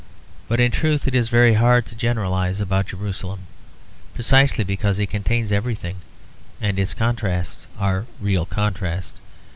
But in truth it is very hard to generalise about Jerusalem, precisely because it contains everything, and its contrasts are real contrasts.